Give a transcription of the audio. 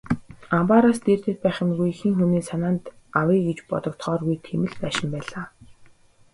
Амбаараас дээрдээд байх юмгүй, хэн хүний санаанд авъя гэж бодогдохооргүй тийм л байшин байлаа.